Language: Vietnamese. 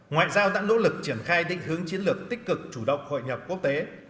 ngoại giao đã nỗ lực triển khai định hướng chiến lược tích cực chủ động hội nhập quốc tế